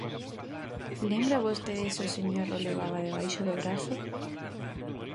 Lembra vostede se o señor o levaba debaixo do brazo?